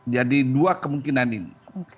jadi dua kemungkinan ini